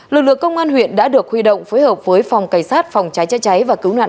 lực lượng công an huyện đã được huy động phối hợp với phòng cảnh sát